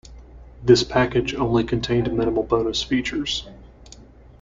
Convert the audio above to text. This package only contained minimal bonus features.